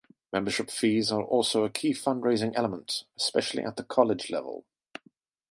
Membership fees are also a key fundraising element, especially at the college level.